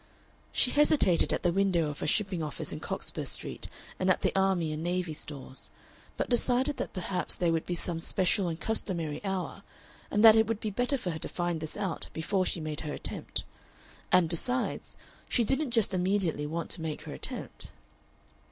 She hesitated at the window of a shipping office in Cockspur Street and at the Army and Navy Stores, but decided that perhaps there would be some special and customary hour, and that it would be better for her to find this out before she made her attempt. And, besides, she didn't just immediately want to make her attempt.